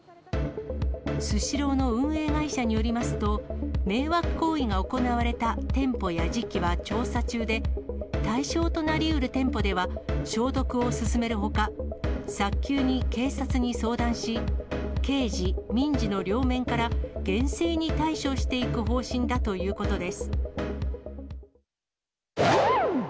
スシローの運営会社によりますと、迷惑行為が行われた店舗や時期は調査中で、対象となりうる店舗では、消毒を進めるほか、早急に警察に相談し、刑事、民事の両面から厳正に対処していく方針だということです。